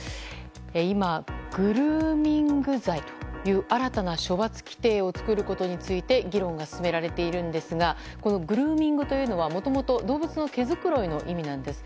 今、グルーミング罪という新たな処罰規定を作ることについて議論が進められているんですがこのグルーミングというのはもともと動物の毛づくろいの意味なんです。